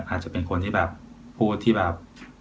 อาจจะเป็นคนที่แบบพูดที่แบบ